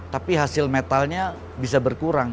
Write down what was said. tapi hasil metalnya bisa berkurang